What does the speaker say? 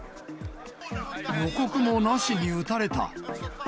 予告もなしに撃たれた。